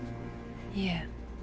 いえ。